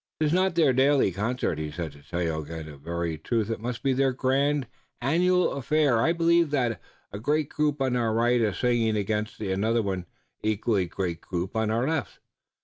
"'Tis not their daily concert," he said to Tayoga "In very truth it must be their grand, annual affair I believe that a great group on our right is singing against another equally great group on our left.